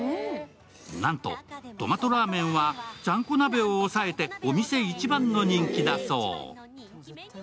なんと、トマトラーメンはちゃんこ鍋を抑えてお店一番の人気だそう。